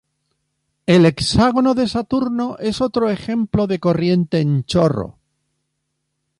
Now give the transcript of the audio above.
El Hexágono de Saturno es otro ejemplo de corriente en chorro.